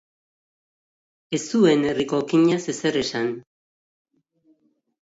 Ez zuen herriko okinaz ezer esan.